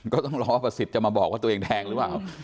ก็ต้องรอว่าประสิทธิ์จะมาบอกว่าตัวเองแทงหรือเปล่า